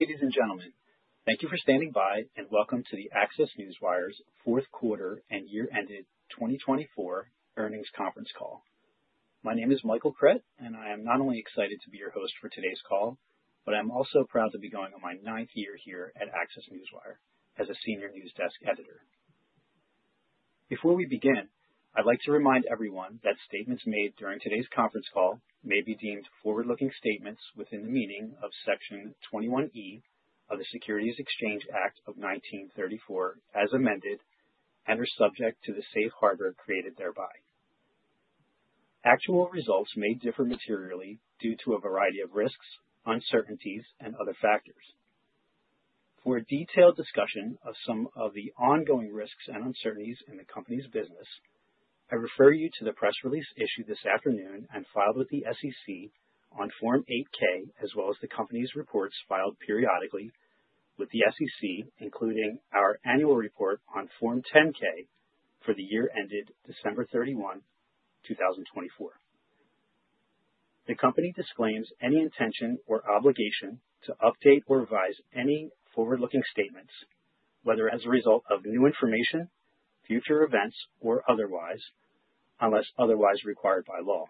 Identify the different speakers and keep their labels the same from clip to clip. Speaker 1: Ladies and gentlemen, thank you for standing by and welcome to the ACCESS Newswire's fourth quarter and year-ended 2024 earnings conference call. My name is Michael Creet, and I am not only excited to be your host for today's call, but I'm also proud to be going on my ninth year here at ACCESS Newswire as a senior news desk editor. Before we begin, I'd like to remind everyone that statements made during today's conference call may be deemed forward-looking statements within the meaning of Section 21(e) of the Securities Exchange Act of 1934 as amended and are subject to the safe harbor created thereby. Actual results may differ materially due to a variety of risks, uncertainties, and other factors. For a detailed discussion of some of the ongoing risks and uncertainties in the company's business, I refer you to the press release issued this afternoon and filed with the SEC on Form 8-K, as well as the company's reports filed periodically with the SEC, including our annual report on Form 10-K for the year ended December 31, 2024. The company disclaims any intention or obligation to update or revise any forward-looking statements, whether as a result of new information, future events, or otherwise, unless otherwise required by law.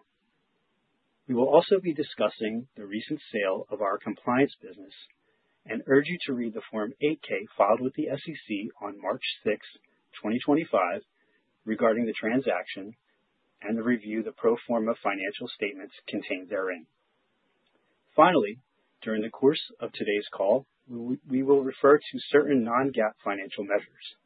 Speaker 1: We will also be discussing the recent sale of our compliance business and urge you to read the Form 8-K filed with the SEC on March 6, 2025, regarding the transaction and review the pro forma financial statements contained therein. Finally, during the course of today's call, we will refer to certain non-GAAP financial measures.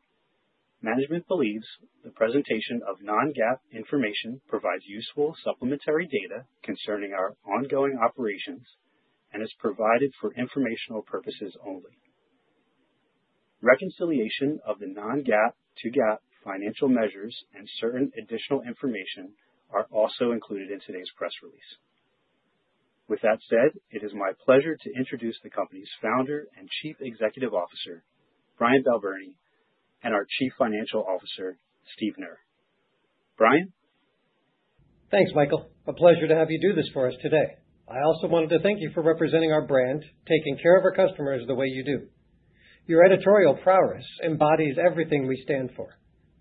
Speaker 1: Management believes the presentation of non-GAAP information provides useful supplementary data concerning our ongoing operations and is provided for informational purposes only. Reconciliation of the non-GAAP to GAAP financial measures and certain additional information are also included in today's press release. With that said, it is my pleasure to introduce the company's Founder and Chief Executive Officer, Brian Balbirnie, and our Chief Financial Officer, Steve Knerr. Brian.
Speaker 2: Thanks, Michael. A pleasure to have you do this for us today. I also wanted to thank you for representing our brand, taking care of our customers the way you do. Your editorial prowess embodies everything we stand for.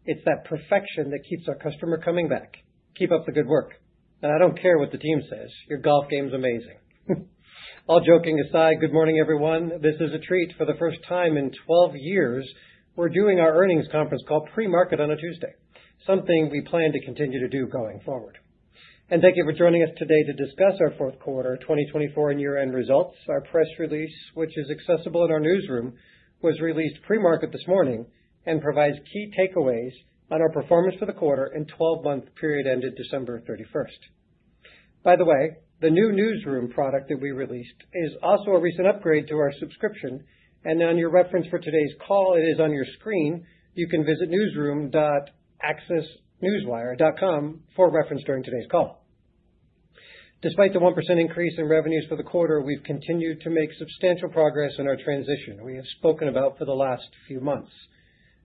Speaker 2: It's that perfection that keeps our customer coming back. Keep up the good work. I don't care what the team says. Your golf game's amazing. All joking aside, good morning, everyone. This is a treat. For the first time in 12 years, we're doing our earnings conference call pre-market on a Tuesday, something we plan to continue to do going forward. Thank you for joining us today to discuss our fourth quarter 2024 and year-end results. Our press release, which is accessible in our newsroom, was released pre-market this morning and provides key takeaways on our performance for the quarter and 12-month period ended December 31. By the way, the new newsroom product that we released is also a recent upgrade to our subscription. On your reference for today's call, it is on your screen. You can visit newsroom.accessnewswire.com for reference during today's call. Despite the 1% increase in revenues for the quarter, we've continued to make substantial progress in our transition we have spoken about for the last few months.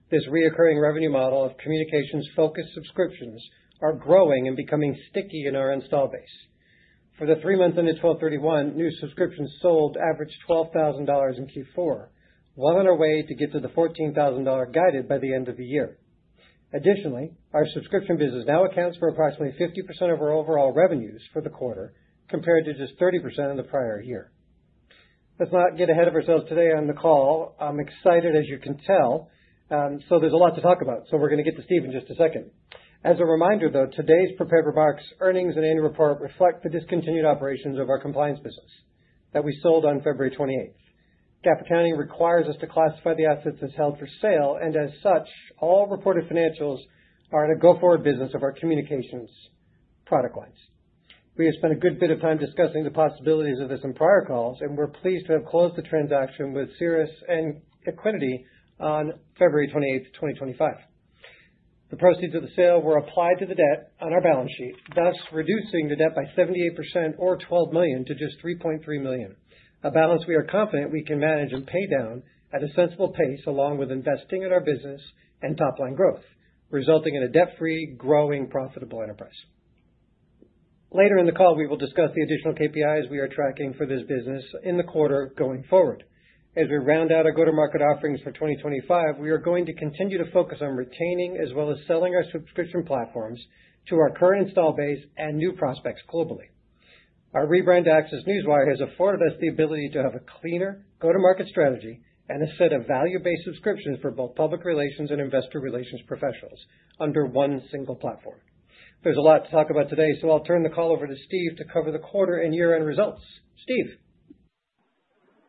Speaker 2: This recurring revenue model of communications-focused subscriptions is growing and becoming sticky in our install base. For the three-month ended 12/31, new subscriptions sold averaged $12,000 in Q4, while on our way to get to the $14,000 guided by the end of the year. Additionally, our subscription business now accounts for approximately 50% of our overall revenues for the quarter, compared to just 30% in the prior year. Let's not get ahead of ourselves today on the call. I'm excited, as you can tell. There is a lot to talk about. We are going to get to Steven in just a second. As a reminder, though, today's prepared remarks, earnings, and annual report reflect the discontinued operations of our compliance business that we sold on February 28. GAAP accounting requires us to classify the assets as held for sale, and as such, all reported financials are in a go-forward business of our communications product lines. We have spent a good bit of time discussing the possibilities of this in prior calls, and we are pleased to have closed the transaction with Siris and Equiniti on February 28, 2024. The proceeds of the sale were applied to the debt on our balance sheet, thus reducing the debt by 78% or $12 million to just $3.3 million, a balance we are confident we can manage and pay down at a sensible pace along with investing in our business and top-line growth, resulting in a debt-free, growing, profitable enterprise. Later in the call, we will discuss the additional KPIs we are tracking for this business in the quarter going forward. As we round out our go-to-market offerings for 2025, we are going to continue to focus on retaining as well as selling our subscription platforms to our current install base and new prospects globally. Our rebrand to ACCESS Newswire has afforded us the ability to have a cleaner go-to-market strategy and a set of value-based subscriptions for both public relations and investor relations professionals under one single platform. There's a lot to talk about today, so I'll turn the call over to Steve to cover the quarter and year-end results. Steve.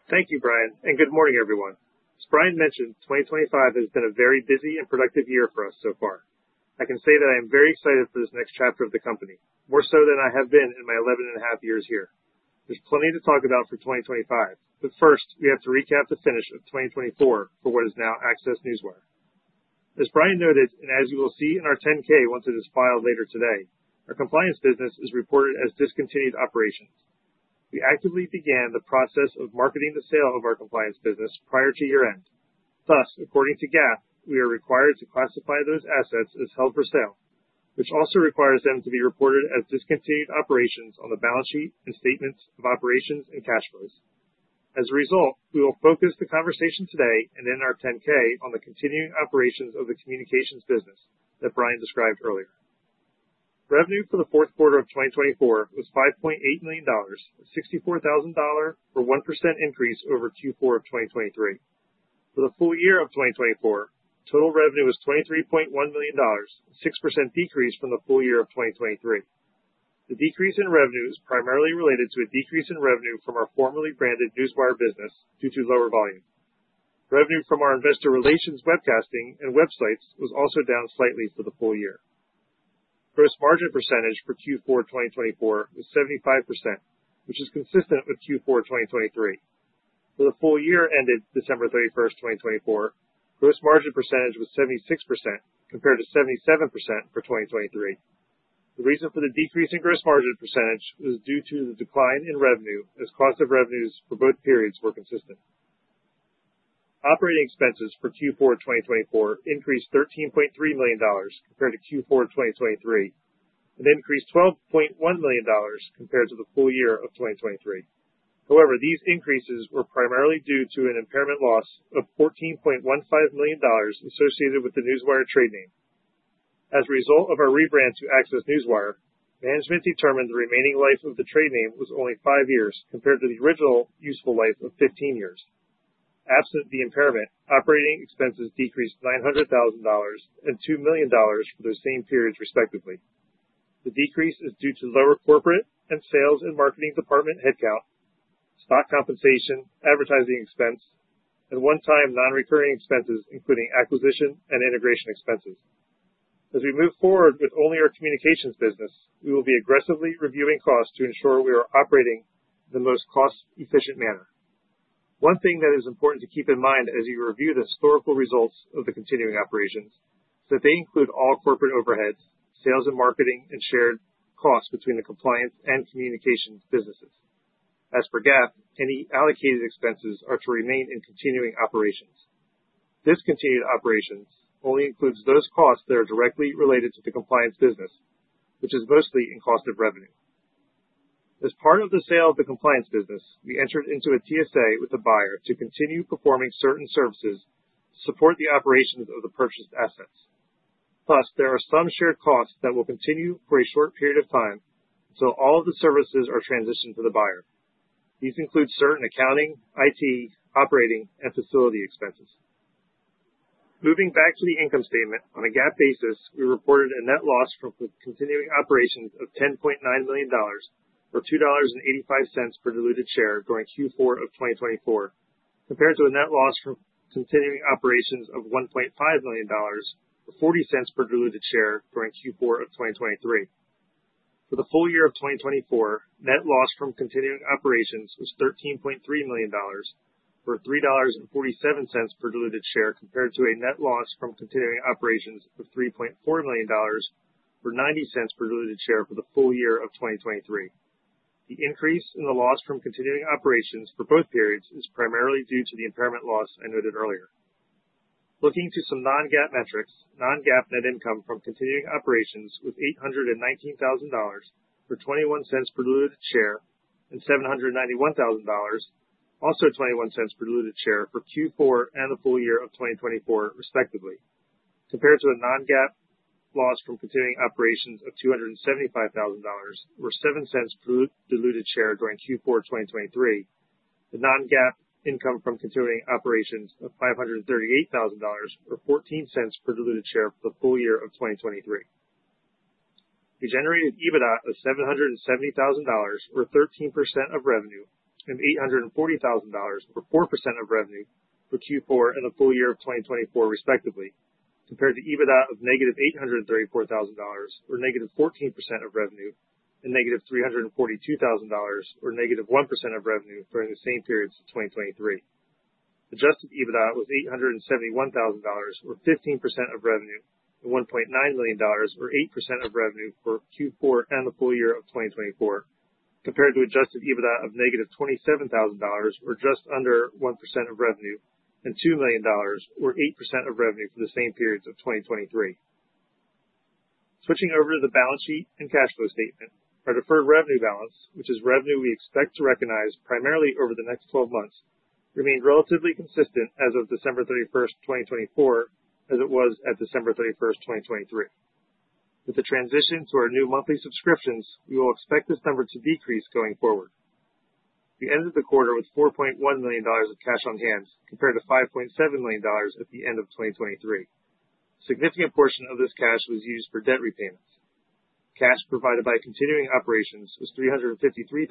Speaker 3: Thank you, Brian. Good morning, everyone. As Brian mentioned, 2025 has been a very busy and productive year for us so far. I can say that I am very excited for this next chapter of the company, more so than I have been in my 11 and a half years here. There is plenty to talk about for 2025. First, we have to recap the finish of 2024 for what is now ACCESS Newswire. As Brian noted, and as you will see in our 10K once it is filed later today, our compliance business is reported as discontinued operations. We actively began the process of marketing the sale of our compliance business prior to year-end. Thus, according to GAAP, we are required to classify those assets as held for sale, which also requires them to be reported as discontinued operations on the balance sheet and statements of operations and cash flows. As a result, we will focus the conversation today and in our 10K on the continuing operations of the communications business that Brian described earlier. Revenue for the fourth quarter of 2024 was $5.8 million, a $64,000 or 1% increase over Q4 of 2023. For the full year of 2024, total revenue was $23.1 million, a 6% decrease from the full year of 2023. The decrease in revenue is primarily related to a decrease in revenue from our formerly branded newswire business due to lower volume. Revenue from our investor relations webcasting and websites was also down slightly for the full year. Gross margin percentage for Q4 2024 was 75%, which is consistent with Q4 2023. For the full year ended December 31, 2024, gross margin percentage was 76% compared to 77% for 2023. The reason for the decrease in gross margin percentage was due to the decline in revenue as cost of revenues for both periods were consistent. Operating expenses for Q4 2024 increased $13.3 million compared to Q4 2023 and increased $12.1 million compared to the full year of 2023. However, these increases were primarily due to an impairment loss of $14.15 million associated with the newswire trade name. As a result of our rebrand to ACCESS Newswire, management determined the remaining life of the trade name was only five years compared to the original useful life of 15 years. Absent the impairment, operating expenses decreased $900,000 and $2 million for those same periods, respectively. The decrease is due to lower corporate and sales and marketing department headcount, stock compensation, advertising expense, and one-time non-recurring expenses, including acquisition and integration expenses. As we move forward with only our communications business, we will be aggressively reviewing costs to ensure we are operating in the most cost-efficient manner. One thing that is important to keep in mind as you review the historical results of the continuing operations is that they include all corporate overheads, sales and marketing, and shared costs between the compliance and communications businesses. As for GAAP, any allocated expenses are to remain in continuing operations. Discontinued operations only includes those costs that are directly related to the compliance business, which is mostly in cost of revenue. As part of the sale of the compliance business, we entered into a TSA with the buyer to continue performing certain services to support the operations of the purchased assets. Thus, there are some shared costs that will continue for a short period of time until all of the services are transitioned to the buyer. These include certain accounting, IT, operating, and facility expenses. Moving back to the income statement, on a GAAP basis, we reported a net loss from continuing operations of $10.9 million or $2.85 per diluted share during Q4 of 2024, compared to a net loss from continuing operations of $1.5 million or $0.40 per diluted share during Q4 of 2023. For the full year of 2024, net loss from continuing operations was $13.3 million or $3.47 per diluted share, compared to a net loss from continuing operations of $3.4 million or $0.90 per diluted share for the full year of 2023. The increase in the loss from continuing operations for both periods is primarily due to the impairment loss I noted earlier. Looking to some non-GAAP metrics, non-GAAP net income from continuing operations was $819,000 or $0.21 per diluted share and $791,000, also $0.21 per diluted share for Q4 and the full year of 2024, respectively. Compared to a non-GAAP loss from continuing operations of $275,000 or $0.07 per diluted share during Q4 2023, the non-GAAP income from continuing operations of $538,000 or $0.14 per diluted share for the full year of 2023. We generated EBITDA of $770,000 or 13% of revenue and $840,000 or 4% of revenue for Q4 and the full year of 2024, respectively, compared to EBITDA of negative $834,000 or negative 14% of revenue and negative $342,000 or negative 1% of revenue during the same periods of 2023. Adjusted EBITDA was $871,000 or 15% of revenue and $1.9 million or 8% of revenue for Q4 and the full year of 2024, compared to adjusted EBITDA of negative $27,000 or just under 1% of revenue and $2 million or 8% of revenue for the same periods of 2023. Switching over to the balance sheet and cash flow statement, our deferred revenue balance, which is revenue we expect to recognize primarily over the next 12 months, remained relatively consistent as of December 31, 2024, as it was at December 31, 2023. With the transition to our new monthly subscriptions, we will expect this number to decrease going forward. We ended the quarter with $4.1 million of cash on hand compared to $5.7 million at the end of 2023. A significant portion of this cash was used for debt repayments. Cash provided by continuing operations was $353,000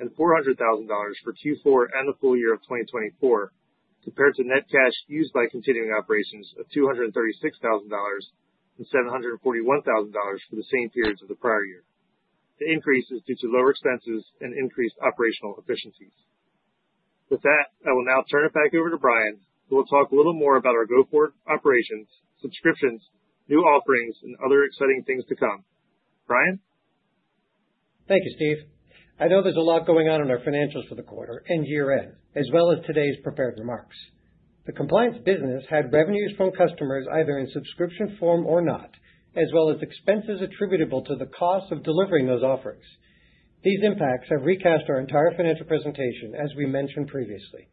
Speaker 3: and $400,000 for Q4 and the full year of 2024, compared to net cash used by continuing operations of $236,000 and $741,000 for the same periods of the prior year. The increase is due to lower expenses and increased operational efficiencies. With that, I will now turn it back over to Brian, who will talk a little more about our go-forward operations, subscriptions, new offerings, and other exciting things to come. Brian?
Speaker 2: Thank you, Steve. I know there's a lot going on in our financials for the quarter and year-end, as well as today's prepared remarks. The compliance business had revenues from customers either in subscription form or not, as well as expenses attributable to the cost of delivering those offerings. These impacts have recast our entire financial presentation, as we mentioned previously.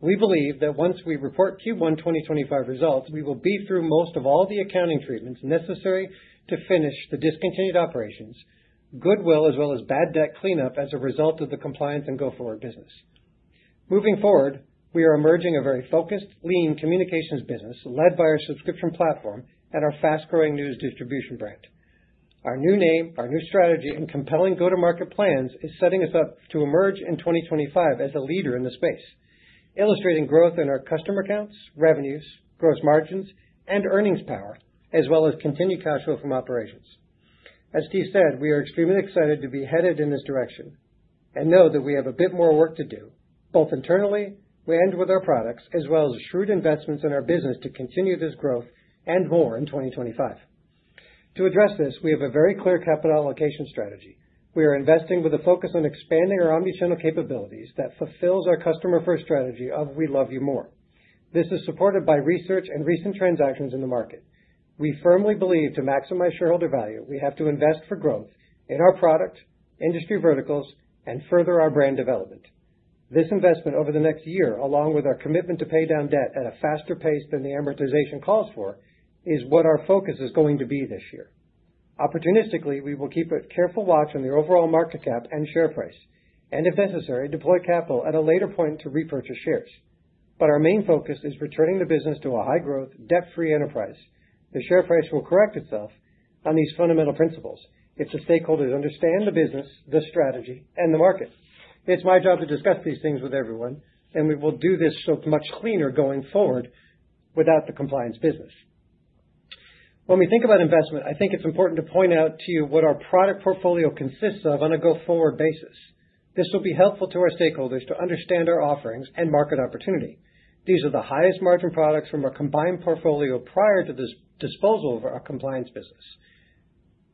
Speaker 2: We believe that once we report Q1 2025 results, we will be through most of all the accounting treatments necessary to finish the discontinued operations, goodwill as well as bad debt cleanup as a result of the compliance and go-forward business. Moving forward, we are emerging a very focused, lean communications business led by our subscription platform and our fast-growing news distribution brand. Our new name, our new strategy, and compelling go-to-market plans are setting us up to emerge in 2025 as a leader in the space, illustrating growth in our customer counts, revenues, gross margins, and earnings power, as well as continued cash flow from operations. As Steve said, we are extremely excited to be headed in this direction and know that we have a bit more work to do, both internally and with our products, as well as shrewd investments in our business to continue this growth and more in 2025. To address this, we have a very clear capital allocation strategy. We are investing with a focus on expanding our omnichannel capabilities that fulfills our customer-first strategy of "We Love You More." This is supported by research and recent transactions in the market. We firmly believe to maximize shareholder value, we have to invest for growth in our product, industry verticals, and further our brand development. This investment over the next year, along with our commitment to pay down debt at a faster pace than the amortization calls for, is what our focus is going to be this year. Opportunistically, we will keep a careful watch on the overall market cap and share price, and if necessary, deploy capital at a later point to repurchase shares. Our main focus is returning the business to a high-growth, debt-free enterprise. The share price will correct itself on these fundamental principles if the stakeholders understand the business, the strategy, and the market. It's my job to discuss these things with everyone, and we will do this so much cleaner going forward without the compliance business. When we think about investment, I think it's important to point out to you what our product portfolio consists of on a go-forward basis. This will be helpful to our stakeholders to understand our offerings and market opportunity. These are the highest-margin products from our combined portfolio prior to this disposal of our compliance business: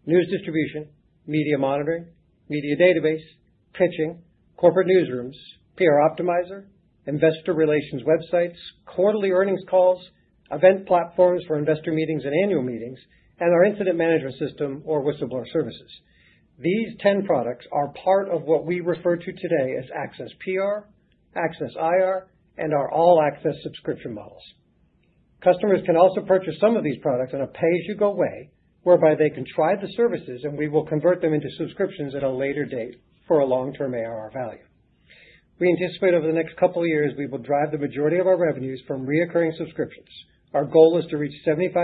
Speaker 2: news distribution, media monitoring, media database, pitching, corporate newsrooms, PR optimizer, investor relations websites, quarterly earnings calls, event platforms for investor meetings and annual meetings, and our incident management system or whistleblower services. These 10 products are part of what we refer to today as ACCESS PR, ACCESS IR, and our all-ACCESS subscription models. Customers can also purchase some of these products on a pay-as-you-go way, whereby they can try the services, and we will convert them into subscriptions at a later date for a long-term ARR value. We anticipate over the next couple of years, we will drive the majority of our revenues from recurring subscriptions. Our goal is to reach 75%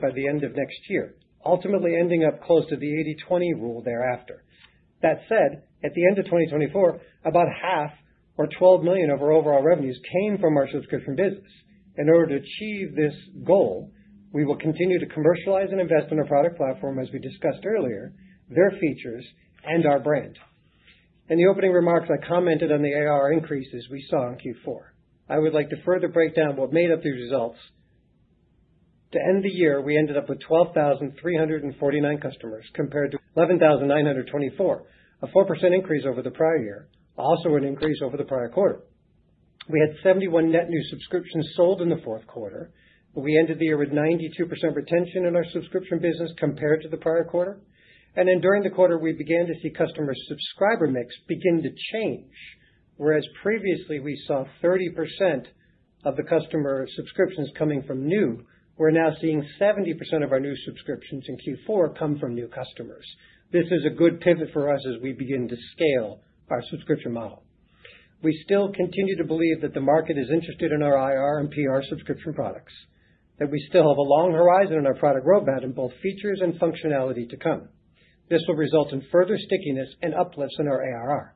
Speaker 2: by the end of next year, ultimately ending up close to the 80/20 rule thereafter. That said, at the end of 2024, about half or $12 million of our overall revenues came from our subscription business. In order to achieve this goal, we will continue to commercialize and invest in our product platform, as we discussed earlier, their features, and our brand. In the opening remarks, I commented on the ARR increases we saw in Q4. I would like to further break down what made up these results. To end the year, we ended up with 12,349 customers compared to 11,924, a 4% increase over the prior year, also an increase over the prior quarter. We had 71 net new subscriptions sold in the fourth quarter. We ended the year with 92% retention in our subscription business compared to the prior quarter. During the quarter, we began to see customer subscriber mix begin to change, whereas previously we saw 30% of the customer subscriptions coming from new, we're now seeing 70% of our new subscriptions in Q4 come from new customers. This is a good pivot for us as we begin to scale our subscription model. We still continue to believe that the market is interested in our IR and PR subscription products, that we still have a long horizon in our product roadmap and both features and functionality to come. This will result in further stickiness and uplifts in our ARR.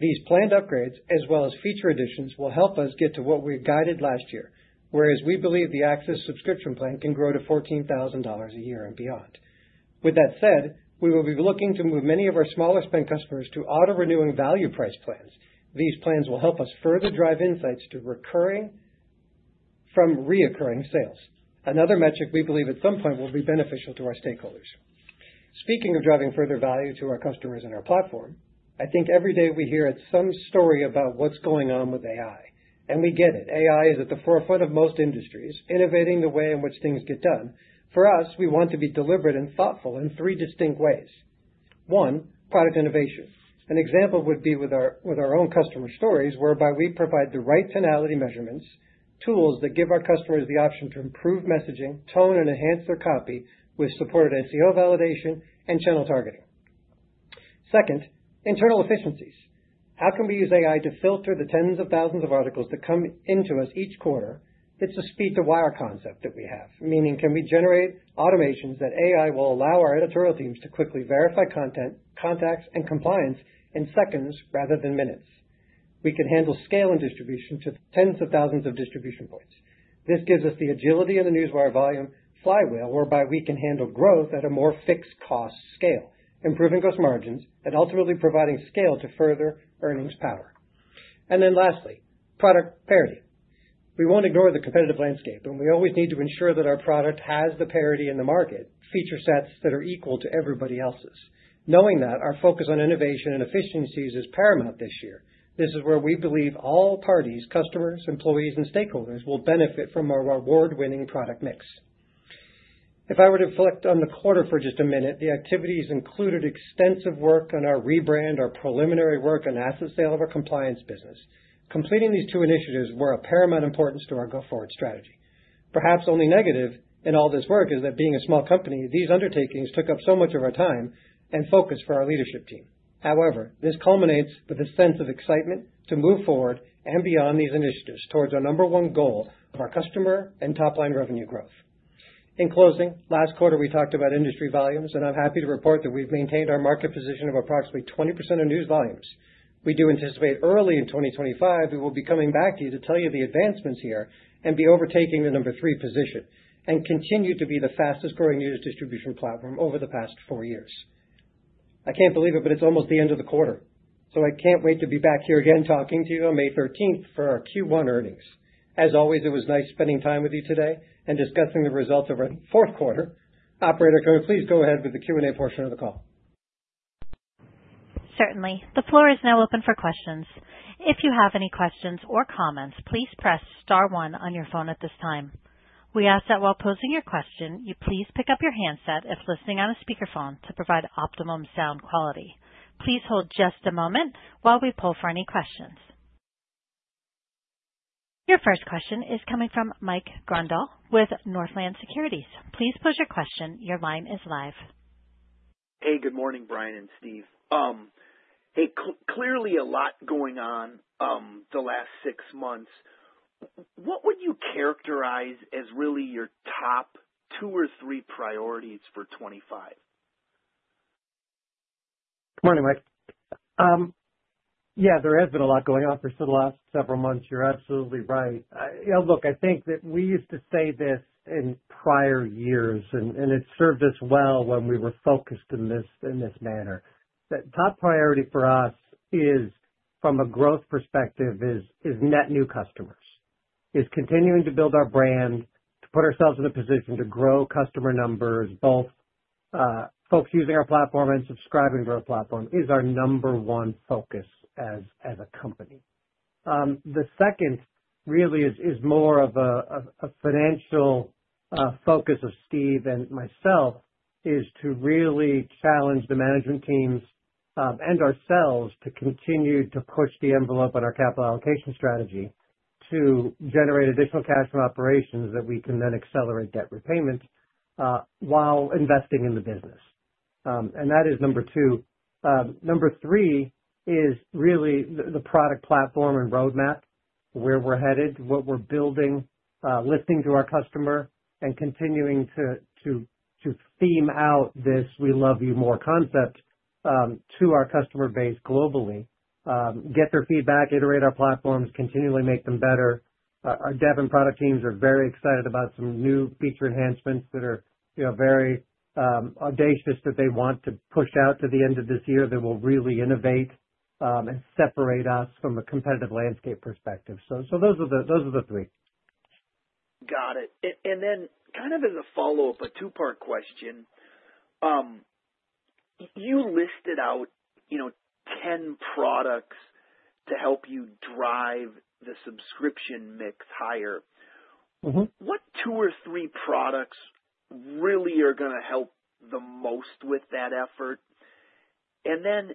Speaker 2: These planned upgrades, as well as feature additions, will help us get to what we were guided last year, whereas we believe the ACCESS subscription plan can grow to $14,000 a year and beyond. With that said, we will be looking to move many of our smaller spend customers to auto-renewing value price plans. These plans will help us further drive insights to recurring from reoccurring sales, another metric we believe at some point will be beneficial to our stakeholders. Speaking of driving further value to our customers and our platform, I think every day we hear some story about what's going on with AI, and we get it. AI is at the forefront of most industries, innovating the way in which things get done. For us, we want to be deliberate and thoughtful in three distinct ways. One, product innovation. An example would be with our own customer stories, whereby we provide the right tonality measurements, tools that give our customers the option to improve messaging, tone, and enhance their copy with supported SEO validation and channel targeting. Second, internal efficiencies. How can we use AI to filter the tens of thousands of articles that come into us each quarter? It is a speed-to-wire concept that we have, meaning can we generate automations that AI will allow our editorial teams to quickly verify content, contacts, and compliance in seconds rather than minutes? We can handle scale and distribution to tens of thousands of distribution points. This gives us the agility and the newswire volume flywheel, whereby we can handle growth at a more fixed cost scale, improving gross margins and ultimately providing scale to further earnings power. Lastly, product parity. We won't ignore the competitive landscape, and we always need to ensure that our product has the parity in the market feature sets that are equal to everybody else's. Knowing that, our focus on innovation and efficiencies is paramount this year. This is where we believe all parties, customers, employees, and stakeholders will benefit from our award-winning product mix. If I were to reflect on the quarter for just a minute, the activities included extensive work on our rebrand, our preliminary work, and asset sale of our compliance business. Completing these two initiatives were of paramount importance to our go-forward strategy. Perhaps only negative in all this work is that being a small company, these undertakings took up so much of our time and focus for our leadership team. However, this culminates with a sense of excitement to move forward and beyond these initiatives towards our number one goal of our customer and top-line revenue growth. In closing, last quarter, we talked about industry volumes, and I'm happy to report that we've maintained our market position of approximately 20% of news volumes. We do anticipate early in 2025, we will be coming back to you to tell you the advancements here and be overtaking the number three position and continue to be the fastest-growing news distribution platform over the past four years. I can't believe it, but it's almost the end of the quarter, so I can't wait to be back here again talking to you on May 13th for our Q1 earnings. As always, it was nice spending time with you today and discussing the results of our fourth quarter. Operator, can we please go ahead with the Q&A portion of the call?
Speaker 4: Certainly. The floor is now open for questions. If you have any questions or comments, please press star one on your phone at this time. We ask that while posing your question, you please pick up your handset if listening on a speakerphone to provide optimum sound quality. Please hold just a moment while we pull for any questions. Your first question is coming from Mike Grondahl with Northland Securities. Please pose your question. Your line is live.
Speaker 5: Hey, good morning, Brian and Steve. Clearly, a lot going on the last six months. What would you characterize as really your top two or three priorities for 2025?
Speaker 2: Good morning, Mike. Yeah, there has been a lot going on for the last several months. You're absolutely right. Look, I think that we used to say this in prior years, and it served us well when we were focused in this manner. The top priority for us from a growth perspective is net new customers, is continuing to build our brand, to put ourselves in a position to grow customer numbers, both folks using our platform and subscribing to our platform is our number one focus as a company. The second really is more of a financial focus of Steve and myself is to really challenge the management teams and ourselves to continue to push the envelope on our capital allocation strategy to generate additional cash from operations that we can then accelerate debt repayment while investing in the business. That is number two. Number three is really the product platform and roadmap, where we're headed, what we're building, listening to our customer, and continuing to theme out this "We Love You More" concept to our customer base globally, get their feedback, iterate our platforms, continually make them better. Our dev and product teams are very excited about some new feature enhancements that are very audacious that they want to push out to the end of this year that will really innovate and separate us from a competitive landscape perspective. Those are the three.
Speaker 5: Got it. And then kind of as a follow-up, a two-part question, you listed out 10 products to help you drive the subscription mix higher. What two or three products really are going to help the most with that effort? And then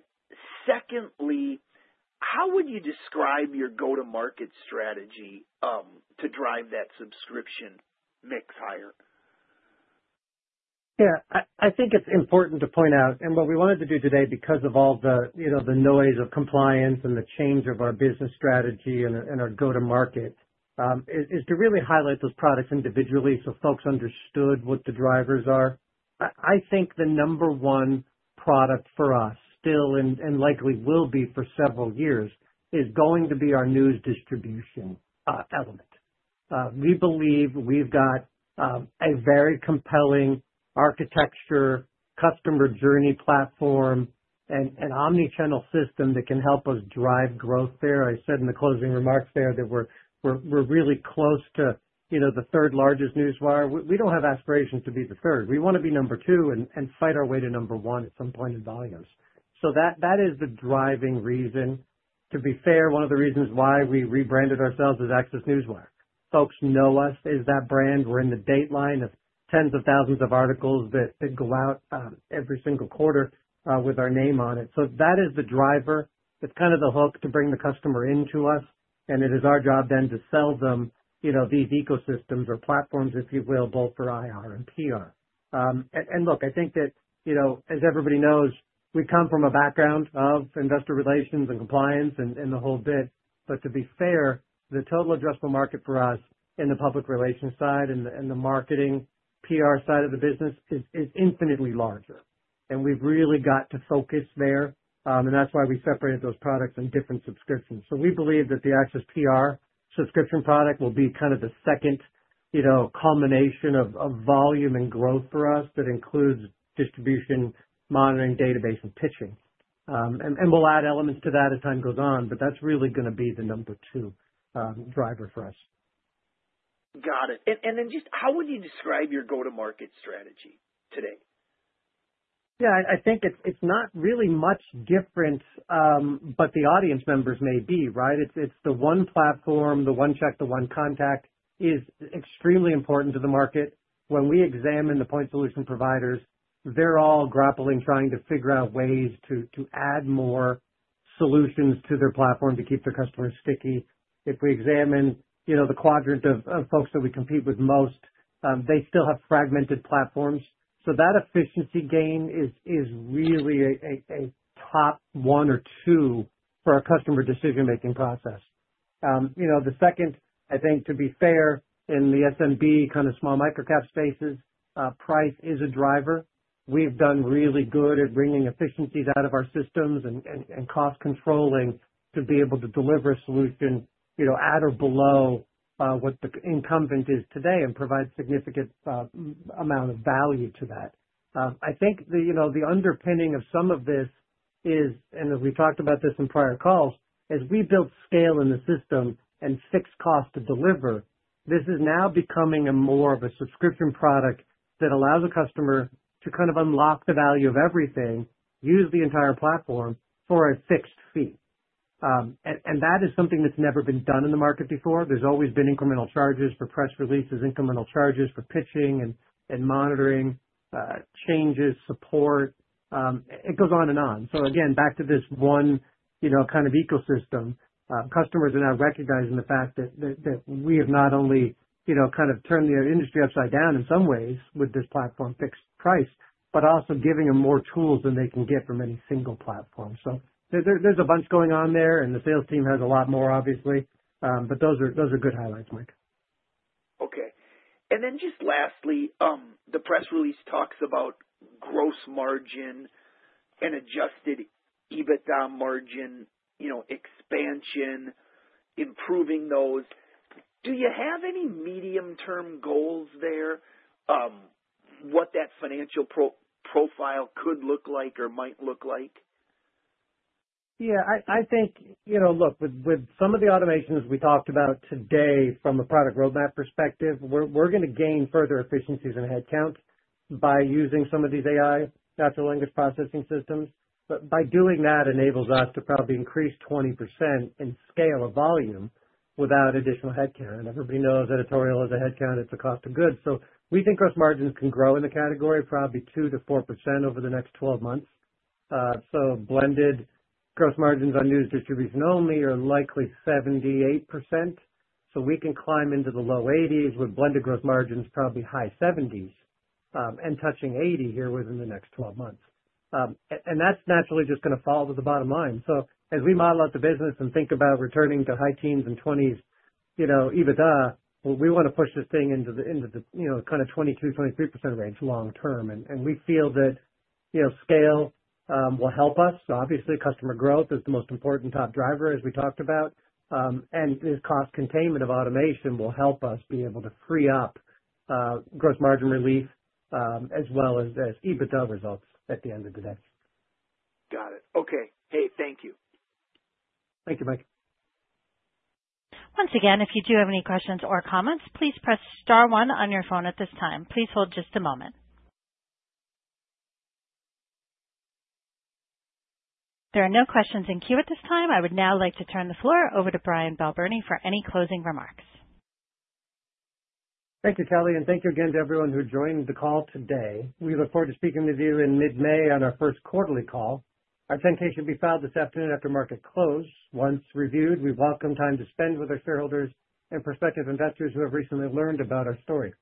Speaker 5: secondly, how would you describe your go-to-market strategy to drive that subscription mix higher?
Speaker 2: Yeah, I think it's important to point out, and what we wanted to do today because of all the noise of compliance and the change of our business strategy and our go-to-market is to really highlight those products individually so folks understood what the drivers are. I think the number one product for us still and likely will be for several years is going to be our news distribution element. We believe we've got a very compelling architecture, customer journey platform, and omnichannel system that can help us drive growth there. I said in the closing remarks there that we're really close to the third largest newswire. We don't have aspirations to be the third. We want to be number two and fight our way to number one at some point in volumes. That is the driving reason. To be fair, one of the reasons why we rebranded ourselves is ACCESS Newswire. Folks know us as that brand. We're in the dateline of tens of thousands of articles that go out every single quarter with our name on it. That is the driver. It's kind of the hook to bring the customer into us, and it is our job then to sell them these ecosystems or platforms, if you will, both for IR and PR. I think that as everybody knows, we come from a background of investor relations and compliance and the whole bit. To be fair, the total addressable market for us in the public relations side and the marketing PR side of the business is infinitely larger, and we've really got to focus there. That is why we separated those products in different subscriptions. We believe that the ACCESS PR subscription product will be kind of the second culmination of volume and growth for us. That includes distribution, monitoring, database, and pitching. We'll add elements to that as time goes on, but that's really going to be the number two driver for us.
Speaker 5: Got it. How would you describe your go-to-market strategy today?
Speaker 2: Yeah, I think it's not really much different, but the audience members may be, right? It's the one platform, the one check, the one contact is extremely important to the market. When we examine the point solution providers, they're all grappling trying to figure out ways to add more solutions to their platform to keep their customers sticky. If we examine the quadrant of folks that we compete with most, they still have fragmented platforms. That efficiency gain is really a top one or two for our customer decision-making process. The second, I think, to be fair, in the SMB kind of small microcap spaces, price is a driver. We've done really good at bringing efficiencies out of our systems and cost controlling to be able to deliver a solution at or below what the incumbent is today and provide a significant amount of value to that. I think the underpinning of some of this is, and we've talked about this in prior calls, as we built scale in the system and fixed cost to deliver, this is now becoming more of a subscription product that allows a customer to kind of unlock the value of everything, use the entire platform for a fixed fee. That is something that's never been done in the market before. There's always been incremental charges for press releases, incremental charges for pitching and monitoring, changes, support. It goes on and on. Again, back to this one kind of ecosystem, customers are now recognizing the fact that we have not only kind of turned the industry upside down in some ways with this platform fixed price, but also giving them more tools than they can get from any single platform. There's a bunch going on there, and the sales team has a lot more, obviously, but those are good highlights, Mike.
Speaker 5: Okay. Lastly, the press release talks about gross margin and adjusted EBITDA margin expansion, improving those. Do you have any medium-term goals there, what that financial profile could look like or might look like?
Speaker 2: Yeah, I think, look, with some of the automations we talked about today from a product roadmap perspective, we're going to gain further efficiencies in headcount by using some of these AI natural language processing systems. By doing that, it enables us to probably increase 20% in scale of volume without additional headcount. Everybody knows editorial is a headcount; it's a cost of goods. We think gross margins can grow in the category, probably 2-4% over the next 12 months. Blended gross margins on news distribution only are likely 78%. We can climb into the low 80s with blended gross margins, probably high 70s and touching 80 here within the next 12 months. That's naturally just going to fall to the bottom line. As we model out the business and think about returning to high teens and 20s EBITDA, we want to push this thing into the kind of 22-23% range long term. We feel that scale will help us. Obviously, customer growth is the most important top driver, as we talked about. This cost containment of automation will help us be able to free up gross margin relief as well as EBITDA results at the end of the day.
Speaker 5: Got it. Okay. Hey, thank you.
Speaker 2: Thank you, Mike.
Speaker 4: Once again, if you do have any questions or comments, please press star one on your phone at this time. Please hold just a moment. There are no questions in queue at this time. I would now like to turn the floor over to Brian Balbirnie for any closing remarks.
Speaker 2: Thank you, Kelly, and thank you again to everyone who joined the call today. We look forward to speaking with you in mid-May on our first quarterly call. Our 10K should be filed this afternoon after market close. Once reviewed, we welcome time to spend with our shareholders and prospective investors who have recently learned about our story.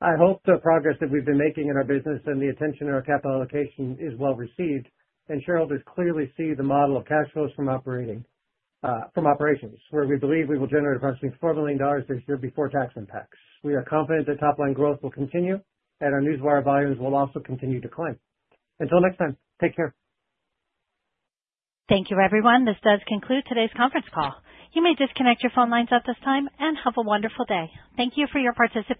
Speaker 2: I hope the progress that we've been making in our business and the attention to our capital allocation is well received, and shareholders clearly see the model of cash flows from operations where we believe we will generate approximately $4 million this year before tax impacts. We are confident that top-line growth will continue and our newswire volumes will also continue to climb. Until next time, take care.
Speaker 4: Thank you, everyone. This does conclude today's conference call. You may disconnect your phone lines at this time and have a wonderful day. Thank you for your participation.